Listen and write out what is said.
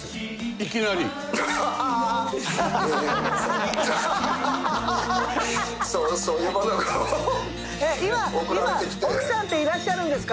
いきなり？今奥さんっていらっしゃるんですか？